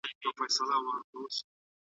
ښوونځي د نجونو پوهه لوړوي.